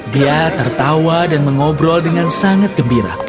dia tertawa dan mengobrol dengan sangat gembira